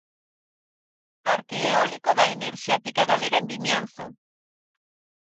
Parque eólico da enerxética galega en Vimianzo.